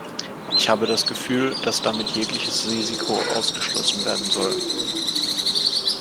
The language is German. Ich habe das Gefühl, dass damit jegliches Risiko ausgeschlossen werden soll.